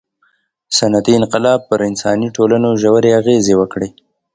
• صنعتي انقلاب پر انساني ټولنو ژورې اغېزې وکړې.